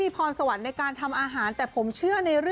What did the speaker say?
อันนี้คืออาหารใช่ไหม